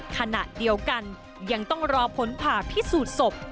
ขณะเดียวกันยังต้องรอผลผ่าพิสูจน์ศพ